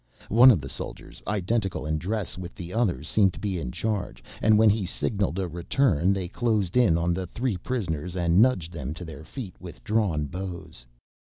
One of the soldiers, identical in dress with the others, seemed to be in charge, and when he signaled a return they closed in on the three prisoners and nudged them to their feet with drawn bows.